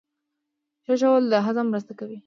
ښه ژوول د هضم مرسته کوي